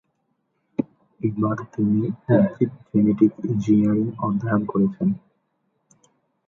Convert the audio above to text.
এবার তিনি উদ্ভিদ জেনেটিক ইঞ্জিনিয়ারিং অধ্যয়ন করেছেন।